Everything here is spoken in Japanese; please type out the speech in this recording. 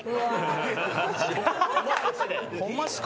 ホンマっすか？